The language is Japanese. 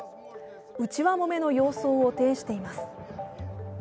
内輪もめの様相を呈しています。